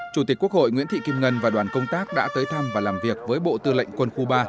chủ tịch quốc hội nguyễn thị kim ngân và đoàn công tác đã tới thăm và làm việc với bộ tư lệnh quân khu ba